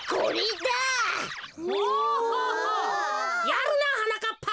やるなはなかっぱ。